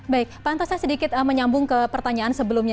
baik pantas saya sedikit menyambung ke pertanyaan sebelumnya